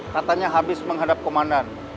katanya habis menghadap komandan